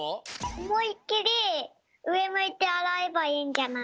おもいっきりうえむいてあらえばいいんじゃない？